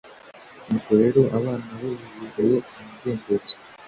nuko rero abana bo bibereye mu mudendezo